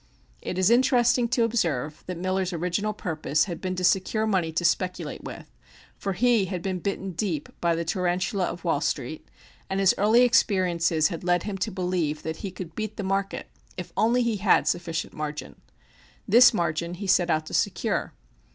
It is interesting to observe that Miller's original purpose had been to secure money to speculate with for he had been bitten deep by the tarantula of Wall Street, and his early experiences had led him to believe that he could beat the market if only he had sufficient margin. This margin he set out to secure.